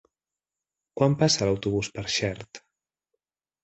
Quan passa l'autobús per Xert?